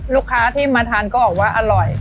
ลูกค้าที่มาทานก็บอกว่าอร่อย